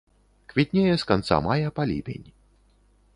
Квітнее з канца мая па ліпень.